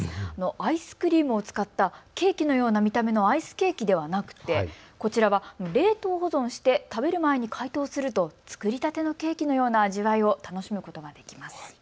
アイスクリームを使ったケーキのような見た目のアイスケーキではなくてこちらは冷凍保存して食べる前に解凍すると作りたてのケーキのような味わいを楽しむことができます。